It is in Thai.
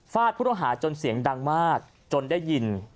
ฟาดผู้ต้องหาจนเสียงดังมากจนได้ยิน